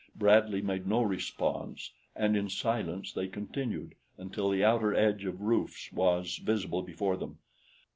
Bradley made no response, and in silence they continued until the outer edge of roofs was visible before them.